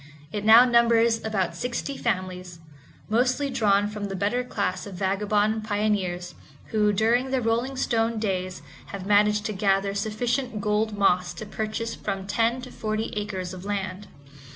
It now numbers about sixty families, mostly drawn from the better class of vagabond pioneers, who, during their rolling stone days have managed to gather sufficient gold moss to purchase from ten to forty acres of land.